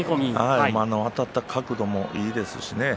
あたった角度もいいですしね。